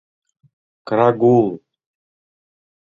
Крагул!